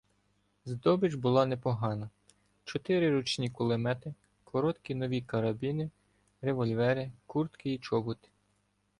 Здобич була непогана: чотири ручні кулемети, короткі нові карабіни, револьвери, куртки і чоботи.